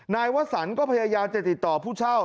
นายวสันก็พยายามจะติดต่อผู้เช่า